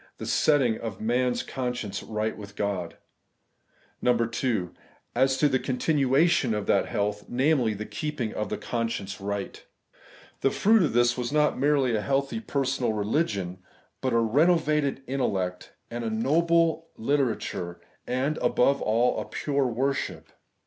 the setting of a man's con science right with God ; (2) As to the continuation of that health, viz. the keeping of the conscience right. The fruit of this was not merely a healthy per sonal religion, but a renovated intellect and a noble literature, and, above all, a pure worship.